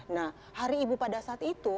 nah hari ibu pada saat itu